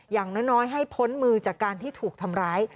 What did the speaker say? อย่างน้อยให้พ้นมือจากการที่ถูกทำร้าย